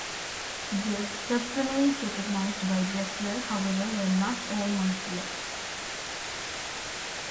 The subfamilies recognized by Dressler, however, were not all monophyletic.